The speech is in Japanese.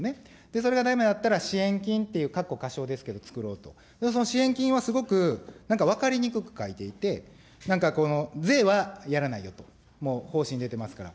それがだめやったら、支援金っていう、かっこ仮称ですけど、作ろうと、その支援金はすごく、なんか分かりにくく書いていて、なんかこの、税はやらないよと、もう方針出てますから。